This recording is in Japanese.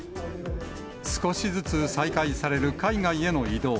少しずつ再開される海外への移動。